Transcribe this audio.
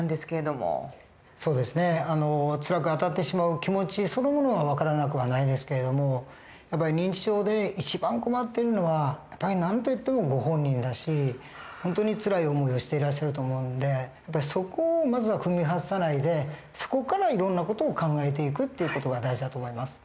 そうですねつらくあたってしまう気持ちそのものは分からなくはないですけど認知症で一番困っているのは何と言ってもご本人だし本当につらい思いをしていらっしゃると思うんでそこをまずは踏み外さないでそこからいろんな事を考えていくっていう事が大事だと思います。